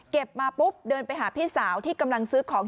มาปุ๊บเดินไปหาพี่สาวที่กำลังซื้อของ